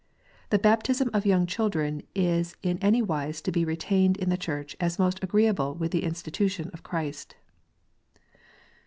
The baptism of young children is in any wise to be retained in the Church as most agreeable with the institution of Christ."